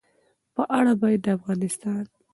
په اړه باید د افغانستان